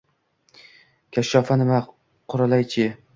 Kashshofa nima? Quralay-chi?